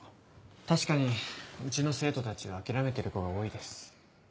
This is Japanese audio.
確かにうちの生徒たちは諦めてる子が多いです。